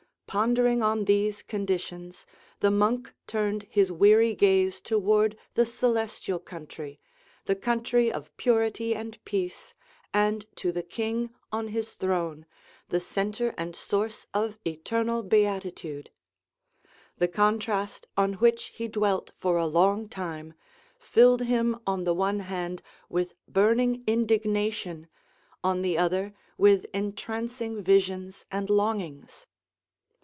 Pondering on these conditions, the monk turned his weary gaze toward the celestial country, the country of purity and peace, and to the King on his throne, the centre and source of eternal beatitude. The contrast, on which he dwelt for a long time, filled him on the one hand with burning indignation, on the other with entrancing visions and longings.